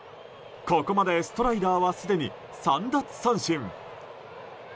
ここまでストライダーはすでに３奪三振。